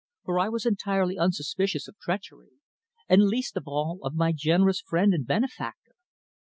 for I was entirely unsuspicious of treachery, and least of all of my generous friend and benefactor.